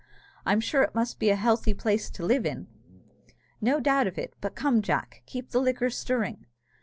I'm sure it must be a healthy place to live in." "No doubt of it; but come, Jack, keep the liquor stirring."